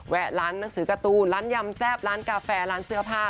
ร้านหนังสือการ์ตูนร้านยำแซ่บร้านกาแฟร้านเสื้อผ้า